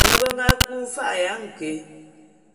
Ane be nga kui mfa'a ya nké.